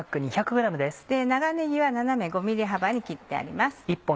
長ねぎは斜め５ｍｍ幅に切ってあります。